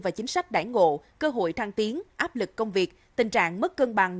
và chính sách đải ngộ cơ hội thăng tiến áp lực công việc tình trạng mất cân bằng